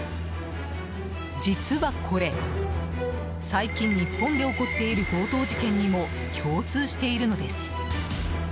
実はこれ、最近日本で起こっている強盗事件にも共通しているのです。